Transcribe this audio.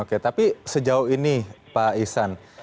oke tapi sejauh ini pak ihsan